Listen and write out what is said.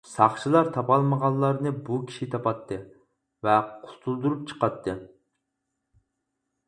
ساقچىلار تاپالمىغانلارنى بۇ كىشى تاپاتتى ۋە قۇتۇلدۇرۇپ چىقاتتى.